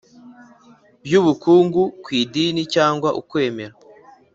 By ubukungu ku idini cyangwa ukwemera